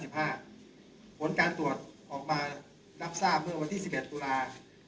ผลการตรวจออกมารับทราบเมื่อวันที่๑๑ตุลา